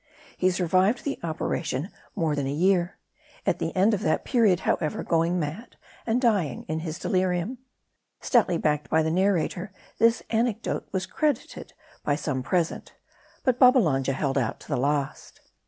He survived the operation more than a 344 MARDI. year ; at the end of that period, however, going mad, and dying in his delirium. Stoutly backed by the narrator, this anecdote was credited by some present. But Babbalanja held out to the last.